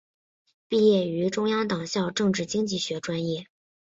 毕业于中央党校政治经济学专业。